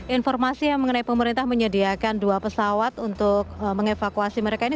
informasi yang mengenai pemerintah menyediakan dua pesawat untuk mengevakuasi mereka ini